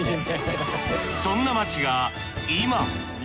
そんな街が今！